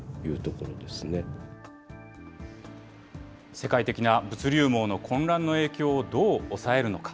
世界的な物流網の混乱の影響をどう抑えるのか。